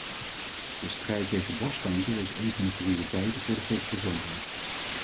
De strijd tegen borstkanker is een van de prioriteiten voor de volksgezondheid.